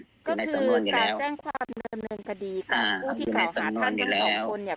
อยู่ในสำนวนอยู่แล้วก็คือการแจ้งความเริ่มกดีคุณผู้ที่เก่าถามค่อยหน่อย๒คนเนี่ย